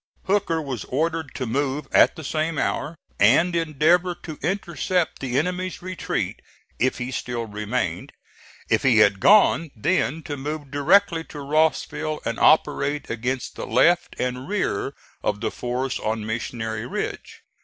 Hooker was ordered to move at the same hour, and endeavor to intercept the enemy's retreat if he still remained; if he had gone, then to move directly to Rossville and operate against the left and rear of the force on Missionary Ridge.